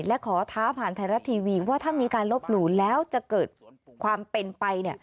และขอท้าผ่านไทยรัฐทีวีว่าถ้ามีการลบหลู่แล้วจะเกิดความเป็นไป